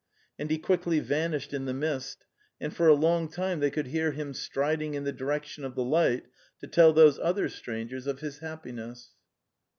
And he quickly vanished in the mist, and for a long time they could hear him striding in the direction of the light to tell those other strangers of his happi ness.